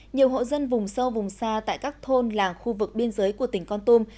nhiều hộ dân vùng sâu vùng xa tại các thôn làng khu vực biên giới của tỉnh con tum